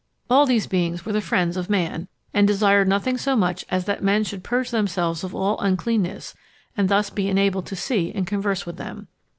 All these beings were the friends of man, and desired nothing so much as that men should purge themselves of all uncleanness, and thus be enabled to see and converse with them.